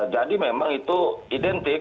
jadi memang itu identik